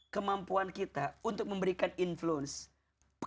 kemampuan kita untuk memberikan influence